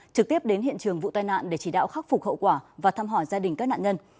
trực tiếp đến hiện trường vụ tai nạn để chỉ đạo khắc phục hậu quả và thăm hỏi gia đình các nạn nhân